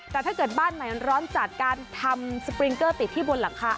แต่ถ้าเกิดบ้านใหม่ร้อนจัดการทำสปริงเกอร์ติดที่บนหลังคา